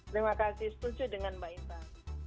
terima kasih setuju dengan mbak intan